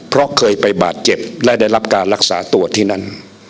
เพราะเคยไปบาดเจ็บและได้รับการรักษาตัวที่นั่น